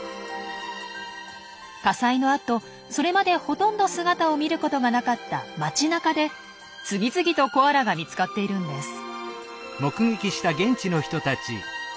火災のあとそれまでほとんど姿を見ることがなかった町なかで次々とコアラが見つかっているんです。